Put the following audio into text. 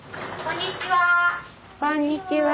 こんにちは。